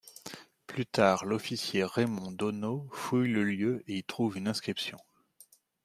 Plus tard, l'officier Raymond Donau fouille le lieu et y trouve une inscription.